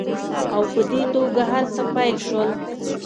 او په دې توګه هرڅه پیل شول